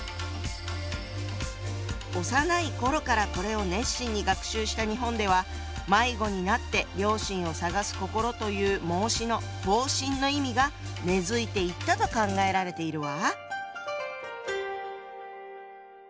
幼い頃からこれを熱心に学習した日本では「迷子になって良心を探す心」という孟子の「放心」の意味が根づいていったと考えられているわ！